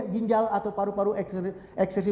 ginjal atau paru paru eksepsi